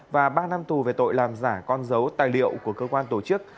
và ba năm tù về tội làm giả con dấu tài liệu của cơ quan tổ chức